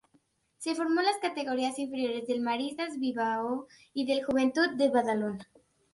Se formó en las categorías inferiores del Maristas Bilbao y del Joventut de Badalona.